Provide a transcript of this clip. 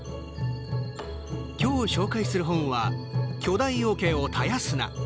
今日、紹介する本は「巨大おけを絶やすな！」。